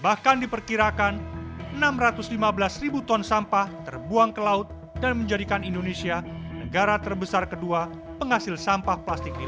bahkan diperkirakan enam ratus lima belas ribu ton sampah terbuang ke laut dan menjadikan indonesia negara terbesar kedua penghasil sampah plastik ini